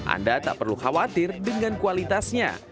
anda tak perlu khawatir dengan kualitasnya